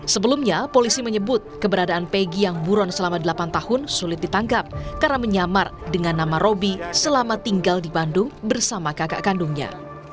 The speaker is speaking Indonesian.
sebelumnya polisi menyebut keberadaan pegi yang buron selama delapan tahun sulit ditangkap karena menyamar dengan nama roby selama tinggal di bandung bersama kakak kandungnya